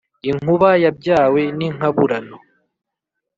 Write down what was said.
inkuba yabyawe n' inkaburano